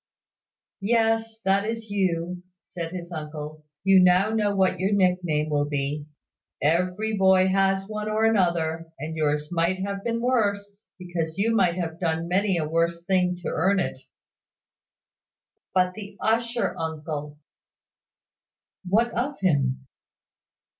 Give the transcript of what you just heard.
"Yes; that is you," said his uncle. "You know now what your nick name will be. Every boy has one or another: and yours might have been worse, because you might have done many a worse thing to earn it." "But the usher, uncle?" "What of him?"